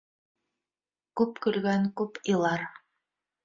Күп көлгән күп илар.